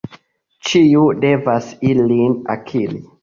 Ĉiu devas ilin akiri.